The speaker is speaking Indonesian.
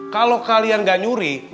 kalau kalian gak nyuri